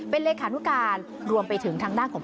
เป็นเลขานุการรวมไปถึงทางด้านของ